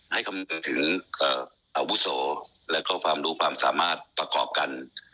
ให้คำนึงถึงอาวุศว์และความรู้ความสามารถขอกรรมกัน